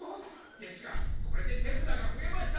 ですがこれで手札が増えました。